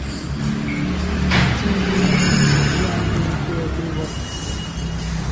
Ntinji yɛ i titiliya ndugu kolɔ ɗogɔ.